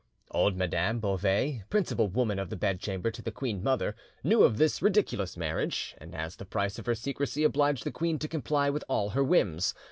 "Old Madame Beauvais, principal woman of the bed chamber to the queen mother, knew of this ridiculous marriage, and as the price of her secrecy obliged the queen to comply with all her whims.